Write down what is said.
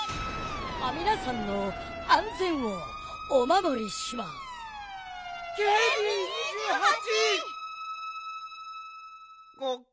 あみなさんのあんぜんをおまもりします。